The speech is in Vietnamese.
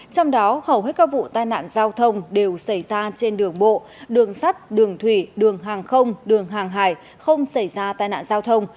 trong đó hầu hết các vụ tai nạn giao thông đều xảy ra trên đường bộ đường sắt đường thủy đường hàng không đường hàng hải không xảy ra tai nạn giao thông